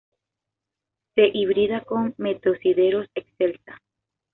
Se hibrida con "Metrosideros excelsa.".